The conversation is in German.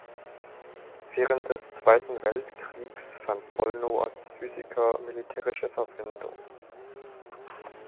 Während des Zweiten Weltkriegs fand Bollnow als Physiker militärische Verwendung.